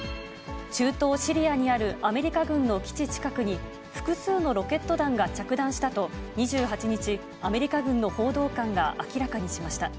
中東シリアにあるアメリカ軍の基地近くに、複数のロケット弾が着弾したと、２８日、アメリカ軍の報道官が明らかにしました。